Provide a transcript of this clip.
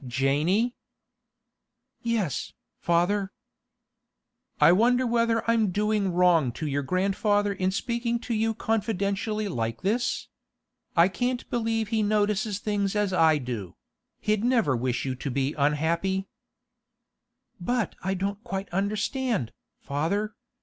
'Janey.' 'Yes, father.' 'I wonder whether I'm doing wrong to your grandfather in speaking to you confidentially like this? I can't believe he notices things as I do; he'd never wish you to be unhappy.' 'But I don't quite understand, father.